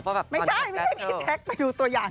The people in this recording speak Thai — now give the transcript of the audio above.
ไม่ใช่พี่แจ๊กไปดูตัวอย่าง